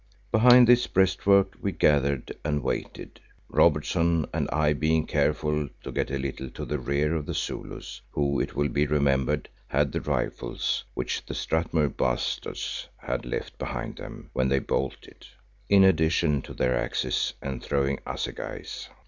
Behind this breastwork we gathered and waited, Robertson and I being careful to get a little to the rear of the Zulus, who it will be remembered had the rifles which the Strathmuir bastards had left behind them when they bolted, in addition to their axes and throwing assegais.